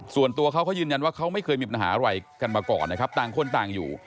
ส่วนตัวเขาเขายืนยันว่าเขาไม่เคยมีปัญหาอะไรกันมาก่อนนะครับต่างคนต่างอยู่